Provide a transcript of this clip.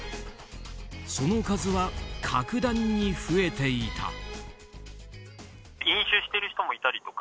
その数は格段に増えていた。